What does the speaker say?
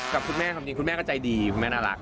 กับคุณแม่ทำดีคุณแม่ก็ใจดีคุณแม่น่ารัก